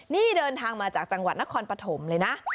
นี่เดินทางมาจากจังหวัดนครปฐมเลยนะ